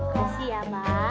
kasih ya abah